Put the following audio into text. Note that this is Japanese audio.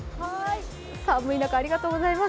寒い中ありがとうございます。